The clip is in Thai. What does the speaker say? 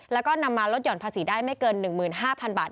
แล้วก็นำมาลดหย่อนภาษีได้ไม่เกิน๑๕๐๐๐บาท